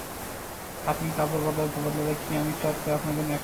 আপনি কাপড় বদলাতে-বদলাতে কি আমি চট করে আপনার জন্যে এক কাপ চা বানাব?